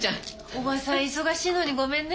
おばさん忙しいのにごめんね。